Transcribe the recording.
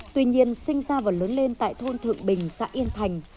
tuy nhiên sinh ra và lớn lên tại thôn thượng bình xã yên thành